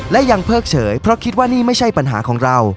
และยังเพิกเฉยเพราะคิดว่านี่ไม่ใช่ปัญหาของเรา